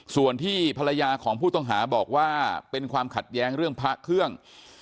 ส่วนที่ภรรยาของผู้ต้องหาบอกว่าเป็นความขัดแย้งเรื่องพระเครื่อง